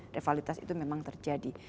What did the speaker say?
rivalitas itu memang terjadi